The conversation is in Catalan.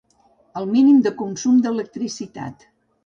El mínim de consum d'electricitat.